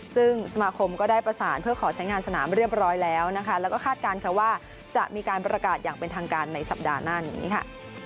ซึ่งสมาคมก็ได้ประสานเพื่อขอใช้งานสนามเรียบร้อยแล้วนะคะแล้วก็คาดการณ์ค่ะว่าจะมีการประกาศอย่างเป็นทางการในสัปดาห์หน้านี้ค่ะ